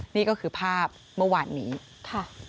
นี่ก็คือภาพเมื่อวานนี้ค่ะ